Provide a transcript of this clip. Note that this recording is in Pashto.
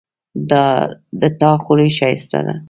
د تا خولی ښایسته ده